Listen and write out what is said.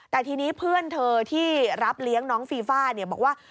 แต่ทีนี้เพื่อนเธอที่รับเลี้ยงน้องฟีฟ่าบอกว่า